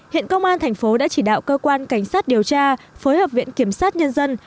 hiện công an thành phố đã chỉ đạo cơ quan cảnh sát điều tra phối hợp viện kiểm sát nhân dân